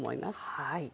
はい。